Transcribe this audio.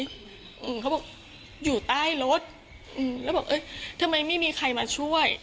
เขาบอกอยู่ใต้รถอืมแล้วบอกเอ้ยทำไมไม่มีใครมาช่วย